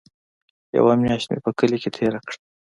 يوه مياشت مې په کلي کښې تېره کړه.